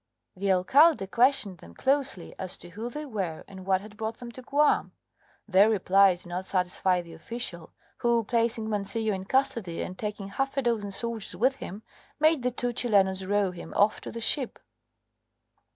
The Alcalde questioned them closely as to who they were, and what had brought them to Guam. Their replies did not satisfy the official, who, placing Mancillo in custody and taking half a dozen soldiers with him, made the two Chilenos row him off to the ship.